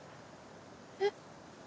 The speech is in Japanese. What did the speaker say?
えっ？